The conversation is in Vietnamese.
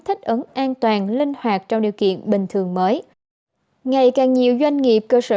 thích ấn an toàn linh hoạt trong điều kiện bình thường mới ngày càng nhiều doanh nghiệp cơ sở